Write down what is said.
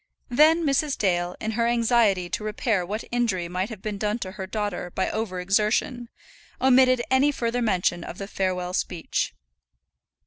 Then Mrs. Dale, in her anxiety to repair what injury might have been done to her daughter by over exertion, omitted any further mention of the farewell speech.